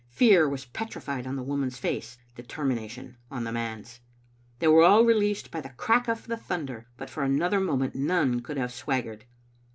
Pear was petrified on the woman's face, determination on the man's. They were all released by the crack of the thunder, but for another moment none could have swaggered.